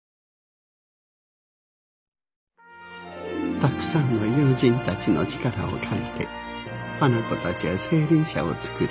たくさんの友人たちの力を借りて花子たちは青凜社を作り